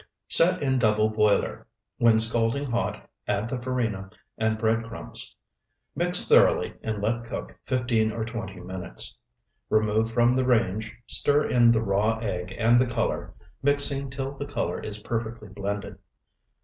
Set in double boiler; when scalding hot, add the farina and bread crumbs. Mix thoroughly and let cook fifteen or twenty minutes. Remove from the range, stir in the raw egg and the color, mixing till the color is perfectly blended.